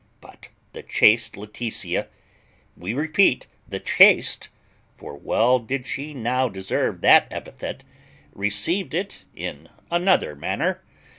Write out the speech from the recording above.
But the chaste Laetitia, we repeat the chaste, for well did she now deserve that epithet, received it in another manner.